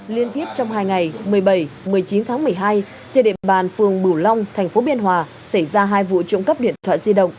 liên tiếp trong hai ngày một mươi bảy một mươi chín tháng một mươi hai trên địa bàn phường bửu long thành phố biên hòa xảy ra hai vụ trộm cắp điện thoại di động